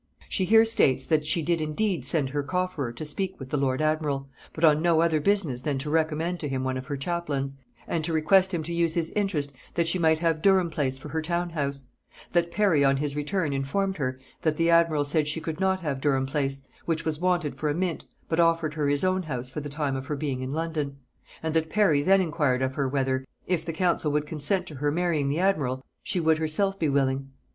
She here states, that she did indeed send her cofferer to speak with the lord admiral, but on no other business than to recommend to him one of her chaplains, and to request him to use his interest that she might have Durham Place for her town house; that Parry on his return informed her, that the admiral said she could not have Durham Place, which was wanted for a mint, but offered her his own house for the time of her being in London; and that Parry then inquired of her, whether, if the council would consent to her marrying the admiral, she would herself be willing?